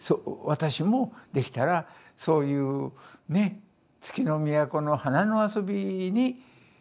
私もできたらそういうね「月の都の花の遊び」